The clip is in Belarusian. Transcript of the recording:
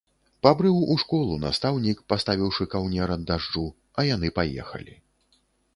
Пабрыў у школу настаўнік, паставіўшы каўнер ад дажджу, а яны паехалі.